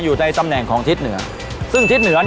อยู่ในตำแหน่งของทิศเหนือ